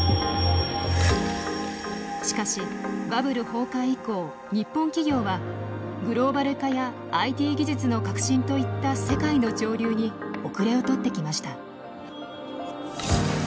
しかしバブル崩壊以降日本企業はグローバル化やＩＴ技術の革新といった世界の潮流におくれを取ってきました。